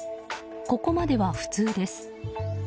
ここまでは普通です。